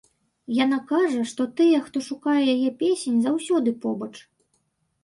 Яна кажа, што тыя, хто шукае яе песень, заўсёды побач.